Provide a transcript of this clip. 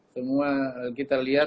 semua kita lihat